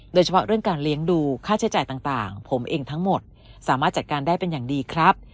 โดยเฉพาะเรื่องการเลี้ยงดูค่าใช้จ่ายต่างผมเองทั้งหมดสามารถจัดการได้เป็นอย่างดีครับ